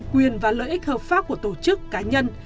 quyền và lợi ích hợp pháp của tổ chức cá nhân